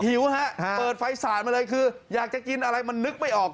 หิวฮะเปิดไฟสาดมาเลยคืออยากจะกินอะไรมันนึกไม่ออก